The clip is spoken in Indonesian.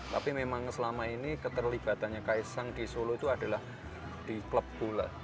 tapi memang selama ini keterlibatannya kaisang di solo itu adalah di klub bola